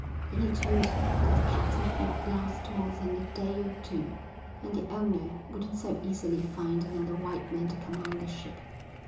Then he told her that the captain could not last more than a day or two, and the owner wouldn't so easily find another white man to command the ship.